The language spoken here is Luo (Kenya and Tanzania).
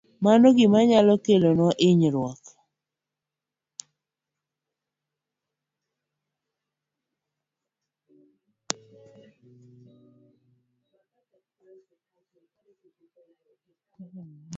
Mano en gima nyalo kelonwa hinyruok.